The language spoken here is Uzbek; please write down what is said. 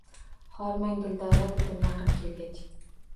Hormang, Dildora, – dedim yaqin kelgach.